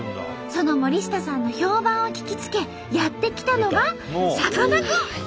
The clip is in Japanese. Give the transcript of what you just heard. その森下さんの評判を聞きつけやって来たのがさかなクン！